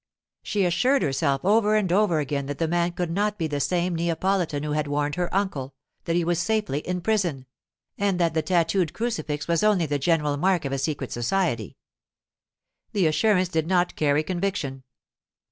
She assured herself over and over again that the man could not be the same Neapolitan who had warned her uncle; that he was safely in prison; and that the tattooed crucifix was only the general mark of a secret society. The assurance did not carry conviction.